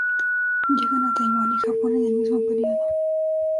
Llegan a Taiwán y Japón en el mismo período.